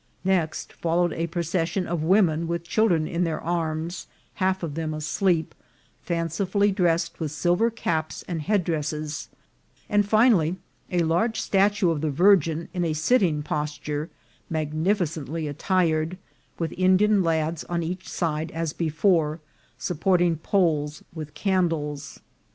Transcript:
Next followed a procession of wo men with children in their arms, half of them asleep, fancifully dressed with silver caps and headdresses, and finally a large statue of the Virgin, in a sitting posture, magnificently attired, with Indian lads on each side, as before, supporting poles with candles.